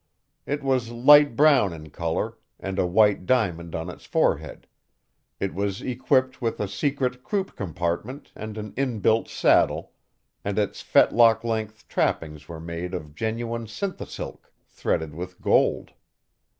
It was light brown in color with a white diamond on its forehead, it was equipped with a secret croup compartment and an inbuilt saddle, and its fetlock length trappings were made of genuine synthisilk threaded with gold.